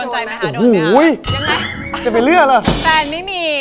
เห็นไม๊